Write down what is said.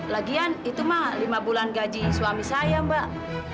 lagian itu mah lima bulan gaji suami saya mbak